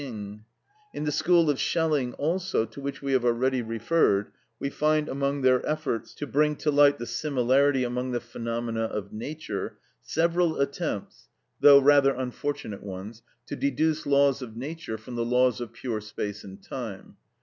In the school of Schelling also, to which we have already referred, we find, among their efforts to bring to light the similarity among the phenomena of nature, several attempts (though rather unfortunate ones) to deduce laws of nature from the laws of pure space and time.